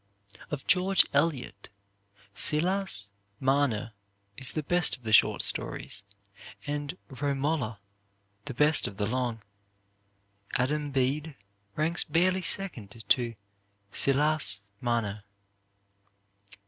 Of George Eliot, "Silas Marner" is the best of the short stories, and "Romola" the best of the long. "Adam Bede" ranks barely second to "Silas Marner."